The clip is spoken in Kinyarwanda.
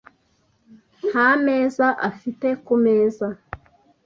Nta meza afite kumeza.